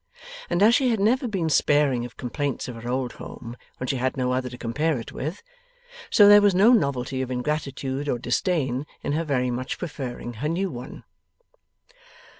And as she had never been sparing of complaints of her old home when she had no other to compare it with, so there was no novelty of ingratitude or disdain in her very much preferring her new one.